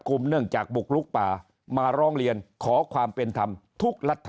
เนื่องจากบุกลุกป่ามาร้องเรียนขอความเป็นธรรมทุกรัฐ